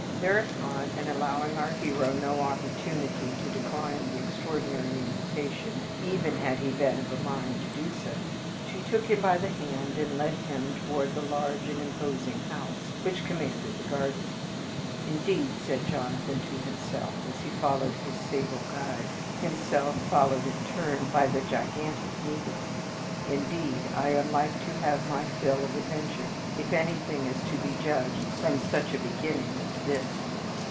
Thereupon, and allowing our hero no opportunity to decline this extraordinary invitation, even had he been of a mind to do so, she took him by the hand and led him toward the large and imposing house which commanded the garden. "Indeed," says Jonathan to himself, as he followed his sable guide himself followed in turn by the gigantic negro "indeed, I am like to have my fill of adventure, if anything is to be judged from such a beginning as this."